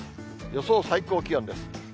予想最高気温です。